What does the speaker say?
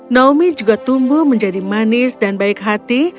naomi juga tumbuh menjadi manis dan baik hati